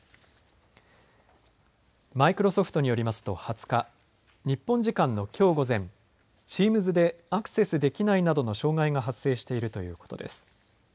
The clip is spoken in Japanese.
マイクロソフトによりますと２０日、日本時間のきょう午前、チームズでアクセスできないなどの障害が発生しているということです。